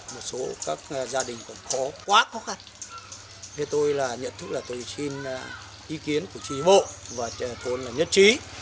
một số các gia đình còn khó quá khó khăn thế tôi là nhận thức là tôi xin ý kiến của trí bộ và trẻ thôn là nhất trí